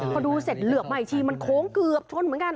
พอดูเสร็จเหลือบมาอีกทีมันโค้งเกือบชนเหมือนกัน